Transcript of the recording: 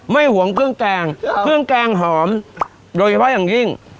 ห่วงเครื่องแกงเครื่องแกงหอมโดยเฉพาะอย่างยิ่ง